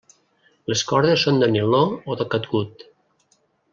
Les cordes són de niló o de catgut.